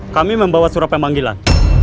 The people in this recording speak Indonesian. kami membawa surat pemanggilan